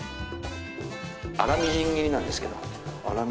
粗みじん切りなんですけど。